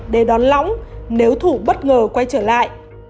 để đón lõng nếu thủ bất ngờ quay trở lại